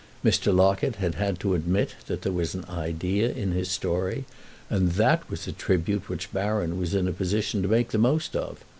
Mr. Locket had had to admit that there was an idea in his story, and that was a tribute which Baron was in a position to make the most of.